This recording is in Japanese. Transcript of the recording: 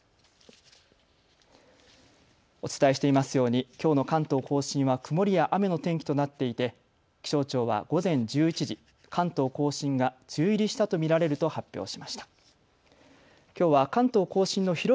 お伝えしていますようにきょうの関東甲信は曇りや雨の天気となっていて気象庁は午前１１時、関東甲信が梅雨入りしたと見られると発表しました。